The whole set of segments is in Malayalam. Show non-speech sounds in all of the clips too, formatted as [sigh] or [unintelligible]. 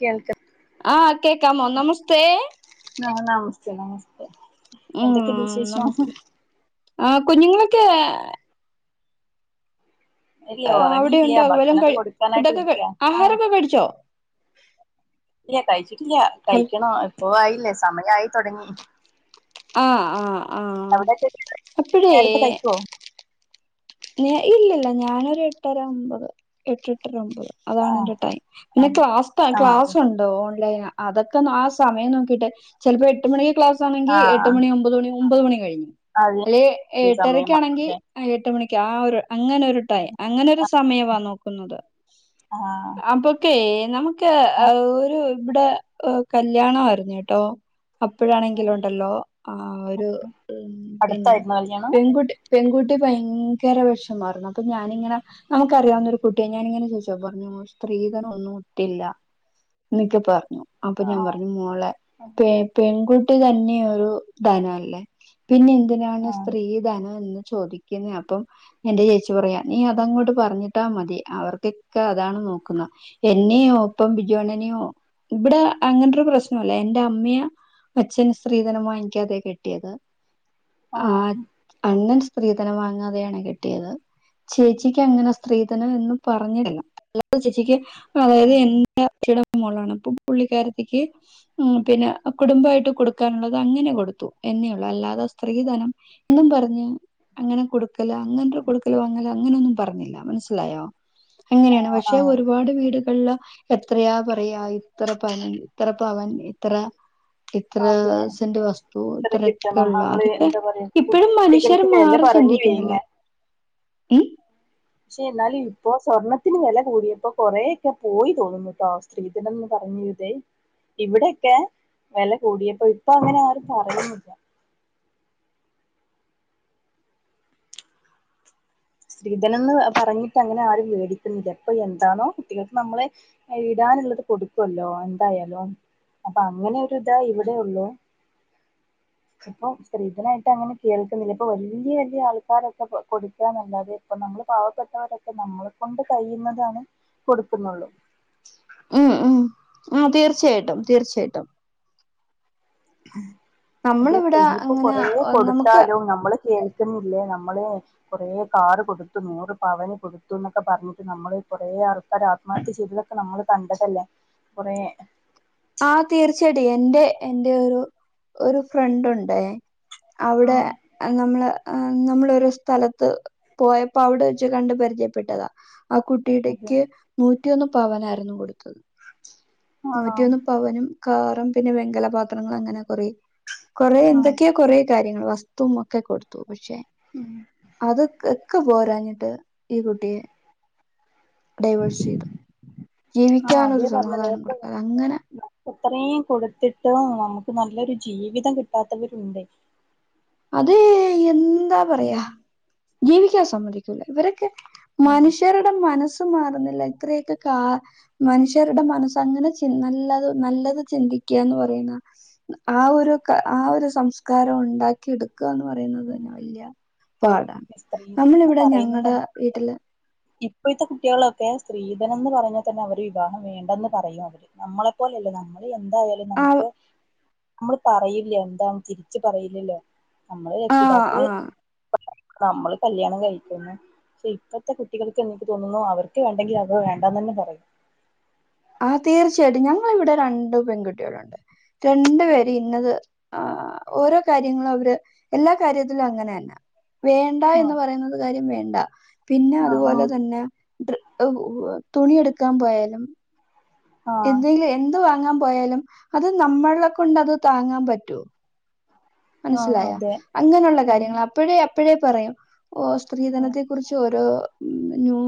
കേൾക്ക ആ കേക്കാമോ നമസ്തേ ആ നമസ്തേ നമസ്തേ ഉം എന്തൊക്കെയുണ്ട് വിശേഷം നമുക്ക് ആ കുഞ്ഞുങ്ങളൊക്കെ ഇല്ല ആ ഉറങ്ങിയില്ല അവിടെയുണ്ടാകും വല്ലം ഭക്ഷണൊക്കെ കഴി കൊടുക്കാനായിട്ട് ഫുഡൊക്കെ നിക്ക കഴി ആ ആഹാരൊക്കെ കഴിച്ചോ? [inaudible] ഇല്ല കഴിച്ചിട്ടില്ല ഹൽ കഴിക്കണോ ഇപ്പ ആയില്ലേ സമയായി തൊടങ്ങി. ആ ആ ആ അപ്പഴേ നേരത്തെ കഴിക്കുവോ ഇല്ലില്ല ഞാനൊരു എട്ടര ഒമ്പത് എട്ട എട്ടര ഒമ്പത് ആ അതാണ് എന്റെ ടൈം. ആ പിന്നെ ക്ലാസ്സ്ത ആ അതെ ക്ലാസ്സൊണ്ട് ഓൺ ലൈനാ അതൊക്കെ നാ സമയം നോക്കിയിട്ടെ ചിലപ്പോ എട്ട് മണി ക്ലാസ് ആണെങ്കി ആ എട്ട് മണി ഒമ്പത് മണി ഒമ്പത് മണി കഴിഞ്ഞു അതെ അല്ലെ സമയം എട്ടരക്കാണെങ്കിൽ അതെ എട്ട് മണിക്ക് ആ ഒര് അങ്ങനെരു ടൈം അങ്ങനെരു സമയവാ നോക്കുന്നത്. ആ അപ്പൊക്കെ നമുക്ക് ആ ഒരു ഇവിടെ കല്യാണമായിരുന്നു കേട്ടോ അപ്പോഴാണെങ്കിലും ഉണ്ടല്ലോ ആ ഒരു ഉ പിന്നെ അടുത്തായിരുന്നോ കല്യാണം പെൺകുട്ടി പെൺകുട്ടി ഭയ് ങ്കര വെഷമായിരുന്നു അപ്പൊ ഞാനിങ്ങനെ നമുക്കറിയാന്ന് ഒരു കുട്ടിയ ഞാനിങ്ങനെ ചോയ്ച്ചു അപ്പൊ പറഞ്ഞു സ്ത്രീധനോന്നും ട്ടില്ല എന്നൊക്കെ പറഞ്ഞു. അപ്പൊ ആ ഞാൻ പറഞ്ഞു മോളെ അതെ. പെ പെൺകുട്ടി തന്നെ ഒരു ധനവല്ലേ പിന്നെ എന്തിനാണ് ആ സ്ത്രീ ധനം എന്ന് ചോദിക്കുന്നത് അപ്പം എന്റെ ചേച്ചി പറയാ നീ അതങ്ങോട്ട് പറഞ്ഞിട്ടാ മതി അവർക്കൊക്കെ അതാണ് നോക്കുന്നത് എന്ന ഇനെയോ ഒപ്പം ബിജോണനെയോ ഇവിടെ അങ്ങനൊതൊരു പ്രശ്നല്ല എൻറെ അമ്മയ അച്ഛന് സ്ത്രീധനം വാങ്ങിക്കാതെ കെട്ടിയത്. ആ അണ്ണൻ സ്ത്രീധനം വാങ്ങാതെയാണ് കെട്ടിയത്. ചേച്ചിക്ക് അങ്ങനെ സ്ത്രീധനം എന്നും പറഞ്ഞില്ല അല്ലാതെ ചേച്ചിക്ക് അതായത് അതെ. എന്റെ [unintelligible] മോളാണ് അപ്പം പുള്ളിക്കാരത്തിക്ക് ഉം പിന്നെ കുടുംബായിട്ട് കൊടുക്കാനുള്ളത് അങ്ങനെ കൊടുത്തു. എന്നെയുള്ളൂ അല്ലാതെ സ്ത്രിധനം എന്നും പറഞ്ഞ് അങ്ങനെ കൊട് അങ്ങൻരു കൊടുക്കൽ വാങ്ങൽ അങ്ങനൊന്നും പറഞ്ഞില്ല. മനസ്സി ലായോ ആ അങ്ങനെയാണ് ആ പക്ഷെ ഒരുപാട് വീട് [unintelligible] എത്രയാ പറയാ ഇത്ര പന ഇത്ര പവൻ ഇത്ര അതെ ഇത്രസിന്റെ വസ്തു എത്ര ഇത്രൊക്കെ കിട്ടണം ഉള്ള നമ്മള് അതൊക്കെ എന്താ പറയാ ഇപ്പോഴും മനുഷ്യർ മാറി ചിന്തിക്കുന്നില്ല. ഉം ക്ഷേ എന്നാലി ഇപ്പൊ സ്വർണ്ണത്തിന് വെല കൂടിയപ്പോ കൊറേയൊക്കെ പോയി തോന്നുന്നുട്ടോ സ്ത്രീധനന്ന് [unintelligible] ഇവിടെക്കെ വെല കൂടിയപ്പൊ ഇപ്പൊ അങ്ങനെ ആരും പറയുന്നില്ല. ശ്രീധനംന്ന് പറഞ്ഞിട്ട് അങ്ങനെ ആരും മേടിക്കുന്നില്ല പ്പൊ എന്താണോ കുട്ടികൾക്ക് നമ്മള് ഇടാ ടാനുള്ളത് കൊടുക്കുല്ലോ എന്തായാലും അപ്പൊ അങ്ങനെ ഒരു താ ഇവിടെ ഉള്ളൂ. [inaudible] ഇപ്പൊ സ്ത്രീധനായിട്ട് അങ്ങനെ കേൾക്കുന്നില്ല ഇപ്പൊ വലിയ വലിയ ആൾക്കാരൊക്കെ കൊടുക്കാന്നല്ലാ ദേ ഇപ്പ നമ്മള് പാവപ്പെട്ടവരൊക്കെ നമ്മളെ കൊണ്ട് കഴിയുന്നതാണ് കൊടുക്കുന്നുള്ളൂ. ഉം ഉം ആ തീർച്ചയായിട്ടും തീർച്ചയായിട്ടും അതെ പ്പൊ നമ്മളിവിടെ അങ്ങനെ ഇനിപ്പോകൊറേ നമുക്ക് കൊടുത്താലും നമ്മള് കേ ക്കുന്നില്ലേ നമ്മള് കൊറേ കാറു കൊടുത്തു നൂറ് പവന് കൊടുത്തു എന്നൊക്കെ പറഞ്ഞിട്ട് നമ്മള് കൊറേ ആൾക്കാര് ആത്മഹത്യ ചെയ്തതൊക്കെ നമ്മള് കണ്ടതല്ലേ കുറെ ആ തീർച്ചടി എന്റെ എന്റെ ഒരു ഒരു ഫ്രണ്ട് ഉണ്ടേ അവിടെ ആഹ് അ നമ്മള് ആ നമ്മളൊരു സ്ഥലത്ത് പോയപ്പോ അവിടെ വച്ച് കണ്ട് പരിചയപ്പെട്ടതാ ആ അതെ കുട്ടിയുടെക്ക് നൂറ്റിഒന്ന് പവനായിരുന്നു കൊടുത്തത്. ന ആണോ റ്റിയൊന്ന് പവനും കാറും പിന്നെ വെങ്കലപാത്രങ്ങളൾ അങ്ങനെ കൊറെ കൊറെ ആഹ് എന്തൊക്കെ കൊറെേ കാര്യങ്ങൾ വസ്ത്തും ഒക്കെ കൊടുത്തു പക്ഷെ ഉം അത് ക ക്കെ പോരാഞ്ഞിട്ട് ഈ കുട്ടിയെ ഡൈവേഴ്സ് ചെയ്തു ആഹ് അതേ ജീവിക്കാനൊരു പറഞ്ഞത് സമാധാനം അതൊക്കെ കൊടുക്കാതെ അങ്ങനെ അത്രയും കൊടുത്തിട്ട് നമുക്ക് നല്ലൊരു ജീവിതം കിട്ടാത്തവരുൺടൈ. അത് എന്താ പറയാ ജീവിക്കാൻ സമ്മതിക്കൂല ഇവരൊക്കെ മനുഷ്യരുടെ മനസ് ത്തും മാറുന്നില്ല ഇത്രയൊക്കെ കാ മനുഷ്യരുടെ മനസ്ങ്ങനെ ചി നല്ലത് നല്ലത് ചിന്തിക്ക് ക്ക്യാന്ന് പറയുന്ന ആ ഒരു ആ ഒരു സംസ്കാരം ഉണ്ടാക്കി ക്കാന്ന് പറയുന്നത് തന്നെ വലിയ പാടാണ് സ്ത്രീധനം നമ്മളിവിടെ പറയുന്നത് ഞങ്ങളടെ തന്നെ വീട്ടില് ഇപ്പോഴത്തെ കുട്ടികളൊക്കെ സ്ത്രീധനം ന്ന് പറഞ്ഞാൽ തന്നെ അവര് വിവാഹം വേണ്ടെന്ന് പറയും അവര് നമ്മളെപ്പോലെയല്ലേ നമ്മൾ എന്തായാലും ആ നമുക്ക് നമ്മള് പറയില്ല എന്താ തിരിച്ച് പറയില്ലല്ലോ. നമ്മള് ആ രക്ഷിതാക്കള് ആ നമ്മള് കല്യാണം കഴിക്കുന്നു പക്ഷെ ഇപ്പഴത്തെ കു കുട്ടികൾക്ക് എനിക്ക് തോന്നുന്നു അവർക്ക് വേണ്ടെങ്കിൽ അത് വേണ്ടാന്ന് ന്നെ പറയും. ആ തീർച്ചയായിട്ടും ഞങ്ങളിവിടെ രണ്ടു പെൺകുട്ടികളുണ്ട് രണ്ടു പേരേം ഇന്നത് ആ ഓരോ കാര്യങ്ങളും അവര് എല്ലാ കാര്യത്തിലും അങ്ങനെ അല്ല വേണ്ട എന്ന് ആഹ് പറയുന്നത് കാര്യം വേണ്ട പിന്നെ ആഹ് അതുപോലെ നമ്മൾ തന്നെ [unintelligible] തുണി എടുക്കാൻ പോയാലും ആഹ് എന്തെങ്കിലും എന്ത് വാങ്ങാൻ പോയാലും അത് നമ്മളെ കൊണ്ട് അത് താങ്ങാൻ പറ്റോ ആഹ് മനസ്സിലായ അതെ അങ്ങനെയുള്ള ഉം കാര്യങ്ങൾ അപ്പോഴേ അപ്പോഴേ പറയൂ ഓ ആഹ് സ്ത്രീധനത്തെ കുറിച്ച് ഓരോയ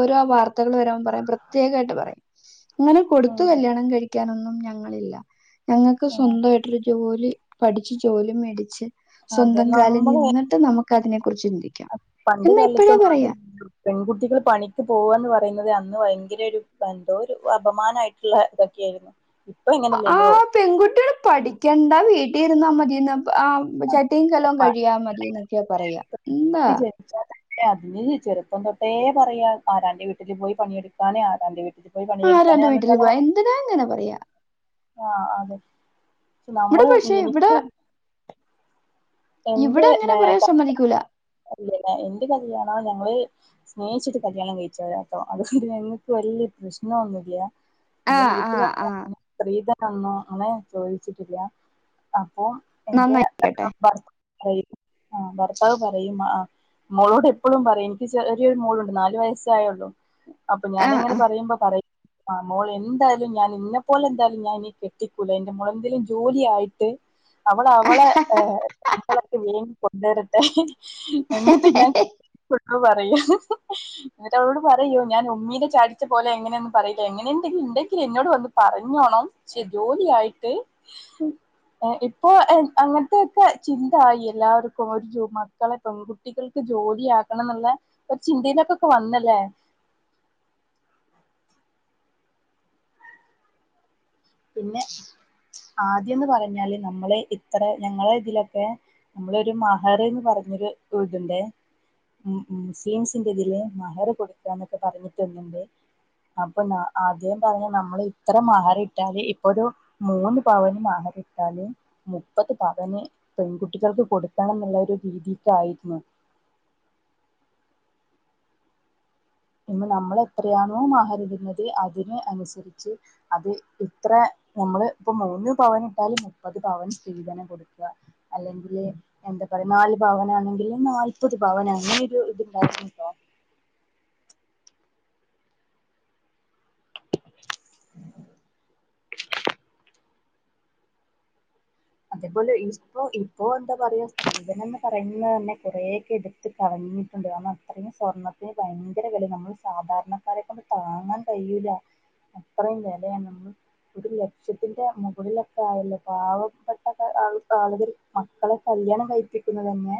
ഓരോ വാർത്തകൾ വരാൻ പറ പ്രത്യേകായിട്ട് പറയുംം ഇങ്ങനെ കൊടുത്ത ആഹ് കല്യാണം കഴിക്കാനൊന്നും ഞങ്ങളില്ല ഞങ്ങൾക്ക് ആഹ് സ്വന്തമായിട്ടൊരു ജോലി പഠിച്ചച്ച് ജോലി മേടിച്ച് അതെ സ്വന്തം കാല നമ്മള് നിന്നിട്ട് നമ പണ്ട് കാലത്ത പറയാ പെൺകുട്ടികൾ പണിക്ക് പോവാന്ന് പറയുന്നത് അ ന്ന് ഭയങ്കര ഒരു ബന്ധോ ഒരു അപമാനയിട്ടുള്ള ഇതൊക്കെ യിരുന്നു ആ പെൺകുട്ടിക്കൾ പഠിക്കണ്ട വീട്ടി ചട്ടി ഇരുന്നാ മതിന്ന് ആ ചട്ടിയും കല്ലം കഴിയാ മതിന്നൊക്കൊ പറയാ എന്താ ജനിച്ചാൽ അതിന് ചെറുപ്പം തൊട്ടേ പറയാ ആരാന്റെ വീട്ടിൽ പോയി പണിയെടുക്കാനേ ആരാന്റെ വീട്ടിൽ ആ രണ്ട് വീട്ടിൽ പോവാ എന്തിനാ ഇങ്ങനെ പറയാ ആഹ് അതെ പക്ഷെ ഇവിടെ നമ്മള് പക്ഷെ ഇവിടെ എനിക്ക് ഇവിടെ അങ്ങനെ പറയാൻ സമ്മതിക്കൂല പിന്നെ എന്റെ കല്യാണം ഞങ്ങള് സ്നേഹിച്ചിട്ട് കല്യാണം കഴിച്ചവരാ ട്ടൊ അതുകൊണ്ട് ഞങ്ങക്ക് വലിയ പ്രശ്നൊന്നുമില്ല ഞങ്ങളെ ആഹ് ആഹ് ആഹ് വീട്ടുകാരങ്ങനെ സ്ത്രീധന തന്നോന്ന് ചോദിച്ചിട്ടില്ല അപ്പൊ എന്റെ നന്നായിരിക്കട്ടെ ഭർ ആ ഭർത്താവ് പറയും ആ മോളോട് എപ്പളും പറയും എനിക്ക് ചെറിയൊരു മോളുണ്ട് നാലു വയസ്സായുള്ളൂ. അപ്പൊ ആഹ് ഞാനിങ്ങനെ ആഹ് പറയുമ്പോ പറയും ആ മോള് എന്തായാലും ഞാൻ ഇന്നപ്പോലെ എന്തായാലും ഞാനിനി കെട്ടിക്കൂല എന്റെ മോളെ എന്തേലും ജോലി ആയിട്ട് അവള് അവളെ ഏ ളൊക്കെ ഇങ്ങനേം കൊണ്ടുവരട്ടെ എന്നിട്ട് ഞാൻ പറയും എന്നിട്ട് അവളോട് പറയും യ്യൊ ഞൻ ഉമ്മീനെ ചാടിച്ച പോലെ എങ്ങനെയൊന്നും പറയില്ല എങ്ങനെന്തെ ഇണ്ടെങ്കിൽ എന്നോട് വന്ന് പറഞ്ഞോണം ക്ഷെ ജോലി ആയിട്ട് ഏ ഇപ്പോ അങ്ങനത്തെ ചിന്തായി എല്ലാവർക്കും ഒരു ജോ മക്കളെ പെൺകുട്ടികൾക്ക് ജോലിയാക്കണംന്ന്ള്ളെ ഒരു ചി ന്തീലേക്കൊക്കെ വന്നല്ലേ [inaudible] പിന്നെ ആദ്യന്ന് പറഞ്ഞാല് നമ്മളെ ഇത്ര ഞങ്ങളെ ഇതിലൊക്കെ നമ്മളൊരു മഹറ്ന്ന് പറഞ്ഞൊരു ഇതുണ്ടേ ഉം ഉം മുസ്ലിംസിന്റെ ഇതില് മഹർ കൊടുക്കാ എന്നൊക്കെ പറഞ്ഞിട്ടൊന്ന്ണ്ട്. അപ്പൊ ന്നാ ആദ്യ പറഞ്ഞ് നമ്മള് ഇത്ര മഹർ ട്ടാല് ഇപ്പ ഒരു മൂന്ന് പവന് മഹർ ഇട്ടാല് മുപ്പത് പവന് പെൺകുട്ടികൾ ക്ക്‌ കൊടുക്കണംന്നുള്ള ഒരു രീതിക്കായിരുന്നു [inaudible] ഇന്ന് നമ്മൾ എത്രയാണോ മഹറിടുന്നത് അതിന് അനുസരിച്ച് അത് ഇത്ര നമ്മള് ഇപ്പ മൂന്ന് പവൻ ഇട്ടാല് മുപ്പത് പവൻ സ്ത്രീധനം കൊടുക്കാ അല്ലെങ്കില് എന്താ പറയാ നാല് പവനാണെങ്കില് നാല്പത് പവൻ അങ്ങനെ ഒരു ഇത്ണ്ടായിരുന്നുട്ടോ [inaudible] [inaudible] അതേപോലെ ഇപ്പോ ഇപ്പോ എന്താ പറയാ സ്ത്രീധനം എന്ന് പറയുന്നത് തന്നെ കുറെയൊക്കെ എടുത്ത് കള ഞ്ഞിട്ടുണ്ട് കാരണം അത്രയും സ്വർണ്ണത്തിന് ഭയങ്കര വില നമ്മള് സാധാരണക്കാരെ കൊണ്ട് താങ്ങാൻ കഴിയൂല. അത്രയും വിലയാണ് മ്മള് ഒരു ലക്ഷ്യത്തിറെ മുകളിലൊക്കെ ആയല്ലോ പാവപ്പെ ട്ടൊക്കെ ആൾ ആളുകൾ മക്കളെ കല്യാണം കഴിപ്പിക്കുന്നത് തന്നെ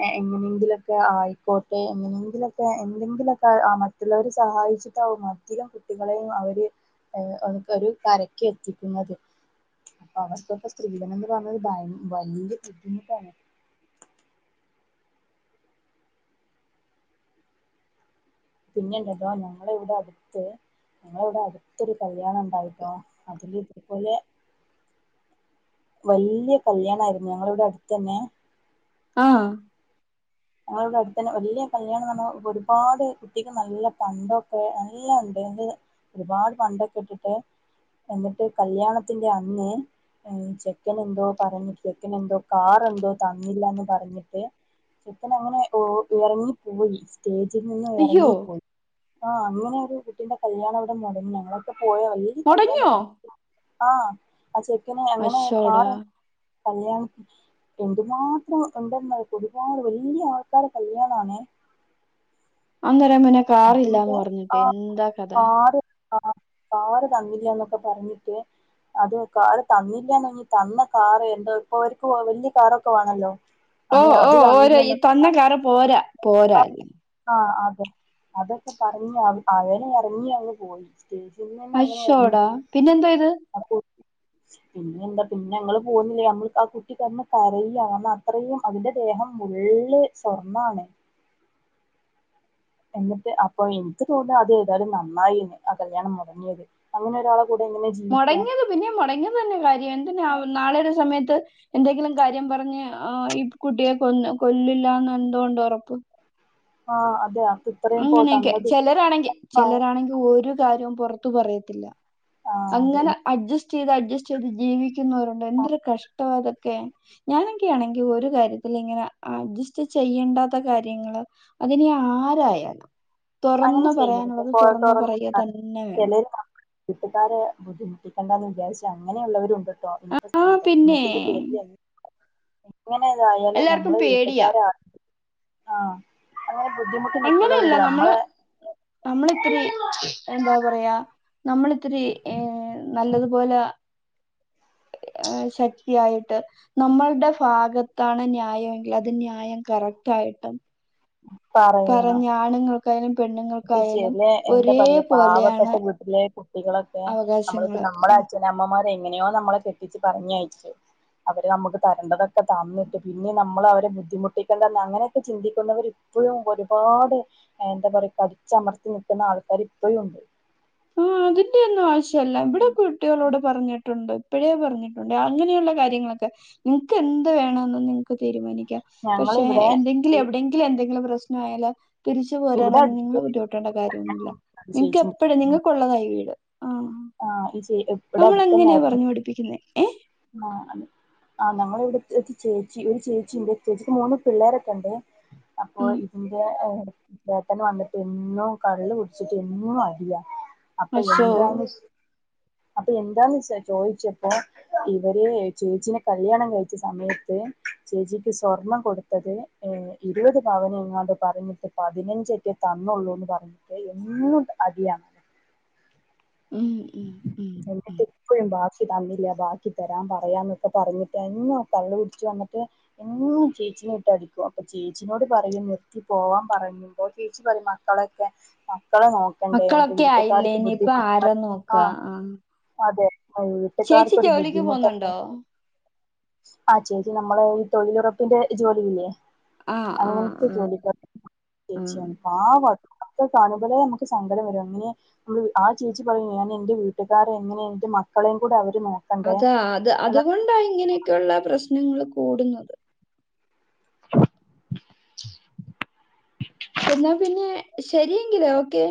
ഏ എങ്ങനെങ്കിലൊക്കെ ആയിക്കോട്ടെ എങ്ങനെങ്കിലൊക്കെ എന്തെങ്കിലൊക്കെ ആഹ് മറ്റുള്ളവര് സഹായി ച്ചിട്ടാവും അധികം കുട്ടികളെയും അവര് ഏ ഒരു കരക്ക് എത്തിക്കുന്നത്. അവർക്കൊക്കെ സ്ത്രീധനം എന്ന് പറഞ്ഞത് ഭയങ്ക വലിയ ബുദ്ധിമുട്ടാണ്. പിന്നെണ്ടല്ലോ ഞങ്ങളെ ഇവിടെ അടുത്ത് ഞങ്ങളെവിടെ അടുത്തൊരു കല്യാണംണ്ടായിട്ടോ അതില് ഇതേപോലെ വലിയ കല്യാണായിരുന്നു ഞങ്ങളിവിടെ അടുത്തന്നെ അ ഞങ്ങളിവിടെ അടുത്തന്നെ വലിയ കല്യാണംന്ന് പറഞ്ഞാ ഒരുപാട് കുട്ടിക്ക് നല്ല പണ്ടൊക്കെ നല്ലോണ്ട്. ത് ഒരുപാട് പണ്ടൊക്കെ ഇട്ടിട്ട് എന്നിട്ട് കല്യാണത്തിന്റെ അന്ന് ചെക്കൻ എന്തോ പറഞ്ഞ് ചെക്കൻ എന്തോ കാറെന്തോ തന്നില്ലാന്ന് പറഞ്ഞിട്ട് ചെക്കൻ അങ്ങനെ ഓ ഇറങ്ങിപ്പോയി സ്റ്റേജിൽ നിന്നും അയ്യോ ഇറങ്ങിപ്പോയി. ആഹ് അങ്ങനൊരു കുട്ടിന്റെ കല്യാണം വിടെ മുടങ്ങി ഞങ്ങളൊക്കെ പോയാ വലിയൊരു മുടങ്ങിയോ കല്യാണര്ന്ന് ആഹ് ആ ചെക്കന് അങ്ങനെ മാറ അശ്ശോടാ കല്യാണത്തിന് എന്തുമാത്രം ഉണ്ടെന്നോ കൊടു ഒരു വല്ല്യേ ആൾക്കാരെ കല്യാണാണേ അന്തരാൻ പിന്നെ അത് കാറില്ലാന്ന് മറ്റേ പറഞ്ഞിട്ട് ആ എന്താ കഥ കാറ് ആഹ് കാറ് തന്നില്ലന്നൊക്കെ പറഞ്ഞിട്ട് അത് കാറ് തന്നില്ലന്ന് കഴഞ്ഞഞ് തന്ന കാർ എന്താ ഇപ്പൊ അവർക്ക് വലിയ കാറൊക്കെ വേണല്ലോ ഓ അങ്ങനെ ഓ അത് ഓരോ ഈ തന്നല്ല തന്ന കാറ് പോരാ പോരാ ആ അതൊക്കെ പറഞ്ഞഞ് അവനെ ഇറങ്ങി അങ്ങ് പോയി സ്റ്റേജിൽ നിന്ന് അങ്ങനെ ഇറങ്ങി അഷോടാ പോയി പിന്നെന്തോ ച്യ്ത അപ്പൊ പിന്നെ എന്താ പിന്നെ ഞങ്ങള്ൾ പോുന്നില്ലേ നമ്മൾ ആ കുട്ടി കന്ന് കരയ അത്രയും അതിന്റെ ദേഹം ഉള്ളേ സ്വർണ്ണാണ് [inaudible] എന്നിട്ട് അപ്പൊ എനിക്ക് തൂണ്ട അത് ഏതായാലും നന്നായിന്ന് ആ കല്യാണം മുടങ്ങിയത് അങ്ങനെ ഒരാള മുടങ്ങിയത് പിന്നെ മുടങ്ങിയത് തന്നെ കാര്യം എ നാളെ സമയത്ത് എന്തെങ്കിലും കാര്യം പറഞ്ഞ് ഈ കുട്ടിയെ കൊ കൊല്ലില്ലന്ന് എന്തുഇണ്ട് ഉറപ്പ് ഉം ആഹ അതെയ അങ്ങനെയൊക്കെ ചിലരാണെങ്കിൽ ആഹ് ചിലരാണെങ്കിൽ ഒരു കാര്യവും പുറത്തു പറയത്തില്ല ആഹ് അതെ അങ്ങനെ അഡ്ജസ്റ്റ് ത് അഡ്ജസ്റ്റ് ചെയ്ത് ജീവിക്കുന്നവരുണ്ട് എന്തൊരു കഷ്ടം അതൊക്കെ ഞാനൊക്കൊണെങ്ക ഒരു കാര്യത്തി ഇങ്ങനെ അഡ്ജസ്റ്റ് ചെയ്യണ്ടാത്ത കാര്യങ്ങള് അതിെ ആരായാലും അങ്ങനെ തുറന്നു ചെയ്യരുത് പറയാനുള്ളത് പോ തുറന്നു പററയ തുറന്ന് തന്നെ വേണം ചിലര് വീട്ടുകാരെ ബുദ്ധിമുട്ടി ണ്ടാന്ന് വിചാരിച്ച അങ്ങനെയുള്ളവരുണ്ട് കേട്ടോ ഇനിപ്പോ ആ പിന്നെ സ്ത്രീധത്നത്തിന്റെ പേരില് ഇങ്ങനെതായാലും എല്ലാർക്കും നമ്മള് പേടിയാ വീട്ടുകാര ആ അങ്ങനെ ബുദ്ധമുട്ട് നിൽട്ടുന്നവണ്ട് നമ്മെ നമ്മള ഇത്തിരി എന്താ പറയാ നമ്മൾ ഒത്തിരി ഏ നല്ലതുപോലെ ശക്തിയായിട്ട് നമ്മളുടെ ഭാഗത്താണ് ന്യായമെങ്കിൽ അത് ന്യായം കറക്റ്റ്. മായിട്ടും പറഞ്ഞ ആണുങ്ങൾക്കായും പെണ് അ ചല എന്താ പറയാ പാവപ്പെട്ട പോലെയാണ് വീട്ടിലെ കുട്ടികളൊക്കെ നമ്മളിപ്പ അവകാശങ്ങള് നമ്മുടെ ആഹ് അച്ഛന അമ്മമാർ എങ്ങനെയോ നമ്മളെ കെട്ടിച്ച് പറഞ്ഞ അയച്ചു അവര് നമുക്ക് തരേണ്ടതൊക്കെ തന്നിട്ട് പിന്നെ നമ്മൾ അവരെ ബുദ്ധിമുട്ടിക്കേണ്ടന്ന അങ്ങനെയൊക്കെ ചിന്തിക്കുന്നവര് ഇപ്പും ഒരുപാട് എന്താ പറയാ കടിച്ചമർത്തി നൽക്കുന്ന ആൾക്കാർ ഇപ്പും ഉണ്ട് ആ അതിന്റെ ഒന്നും ആവശ്യല്ല ഇവിടെ കുട്ടികളോട് പറഞ്ഞിട്ടുണ്ട് ഇപ്പോഴേ പറഞ്ഞിട്ടുണ്ട് അങ്ങനെയുള്ള കാര്യങ്ങളൊക്കെ നിങ്ങൾക്ക് എന്ത വേണ നിങ്ങക്ക് തീരുമാനിക്കും പക്ഷെ ഞങ്ങളിവിടെ എന്തെങ്കിലും എവിടെയെങ്കിലും എന്തെങ്കിലും പ്രശ്നം ആയാൽ തിരിച്ചു ഇവിടെ പോരാനൊന്നും അടുത്ത് നിങ്ങള്ൾ ബുദ്ധിമുട്ടേണ്ട കാര്യമൊന്നുമല്ല നിങ്ങൾക്ക് ചേച്ചി എപ്പോഴും നിങ്ങൾക്ക് കൊള്ളതായി വീട്. ആഹ് ആഹ ഈ എവിടെ അടുത്ത തന്നെ നമ്മളെങ്ങനെയാ ആയിരുന്നു പറഞ്ഞു പഠിപ്പിക്കുന്നേ ഏഹ് ആ അതെ ആ ഞങ്ങൾ ഇവിടുത്തെ ചേച്ചി ഒരു ചേച്ചി ചേച്ചിക്ക് മൂന്ന് പിള്ളേരൊക്കെ ഇണ്ട് അപ്പൊ ഉം ഇതിന്റെ വേത്തന് വന്നിട്ട് എന്നോ കള്ള് കുടിച്ചിട്ട് എന്നും അടിയാ അപ്പൊ അശോ എന്താണ് അപ്പൊ എന്താണ് ചോദിച്ചപ്പോ ഇവര് ചേച്ചീനെ കല്യാണം കഴിച്ച സമയത്ത് ചേച്ചിക്ക് സ്വർണം കൊടുത്തത് ഇരുപത് പവന് ഇങ്ങോട്ട് പറഞ്ഞിട്ട് പതിനഞ്ചറ്റെ തന്നുള്ളൂന്ന് പറഞ്ഞിട്ട് എന്നും അടിയാണ് ഉം ഉം ഉം ഉം എന്നിട്ട് ഇപ്പഴും ബാക്കി തന്നില്ല ബാക്കി തരാൻ പറയാന്നൊക്കെ പറഞ്ഞിട്ട് എന്നോ കള്ള് കുടിച്ചു വന്നിട്ട് എന്നോ ചേച്ചി ചേച്ചിനെ ഇട്ട് അടിക്കും അപ്പൊ ചേച്ചിനോട് പറയും നിർത്തി പോവാൻ പറഞ്ഞുന്നുണ്ടോ ചേച്ചി പറയും മക്കളൊക്കെ മക്കളെ നോക്കണ്ട എന്ത് മക്കളൊക്കെ ആയില്ലേ വീട്ടുകാർക്ക് ഇനിയിപ്പ ബുദ്ധിമുട്ട ആരാ ആ നോക്കാ ആഹ് അതെ ചേച്ചി വീട്ടക്കാർക്ക് ഒരു ജോലിക്ക് ബുദ്ധിമുട്ടക്ക പോന്നുണ്ടോ? ആ ചേച്ചി നമ്മള ഈ തൊഴിലുറപ്പിന്റെ ജോലില്ലേ ആഹ് ആഹ് അങ്ങനത്തെ ആഹ് ജോലിക്കാേ ആഹ് ചേച്ചിയാണ് പാവട്ടെ കാണുമ്പോലെ നമുക്ക് സങ്കടം വരും അങ്ങനെ നമ്മ ആ ചേച്ചി പറ ഞാൻ എന്റെ വീട്ടുകാരെ എങ്ങനെ എന്റെ മക്കളെയും കൂടെ അവ അതാ അത് അതുകൊണ്ടാ ഇങ്ങനെയൊക്കെയ ഉള്ള പ്രശ്നങ്ങൾ കൂടുന്നത് എന്നാ പിന്നെ ശരിയെങ്കിലേ ഓക്കെ